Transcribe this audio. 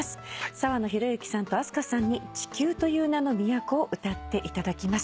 澤野弘之さんとＡＳＫＡさんに『地球という名の都』を歌っていただきます。